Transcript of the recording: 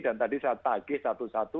dan tadi saya tagih satu satu